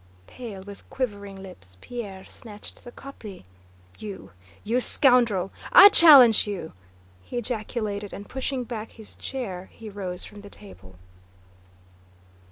Pale, with quivering lips, Pierre snatched the copy. "You...! you... scoundrel! I challenge you!" he ejaculated, and, pushing back his chair, he rose from the table.